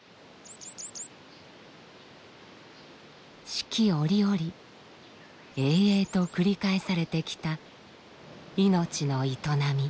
四季折々営々と繰り返されてきた命の営み。